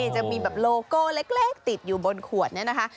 จะมีแบบโลโก้เล็กติดอยู่บนขวดเนี่ยนะคะ